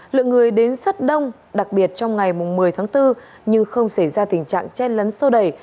lượng người đến rất đông đặc biệt trong ngày mùng một mươi tháng bốn nhưng không xảy ra tình trạng chen lấn sâu đầy